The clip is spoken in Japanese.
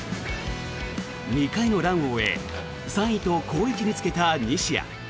２回のランを終え３位と好位置につけた西矢。